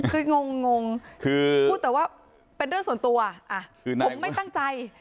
คืองงคือพูดแต่ว่าเป็นเรื่องส่วนตัวผมไม่ตั้งใจ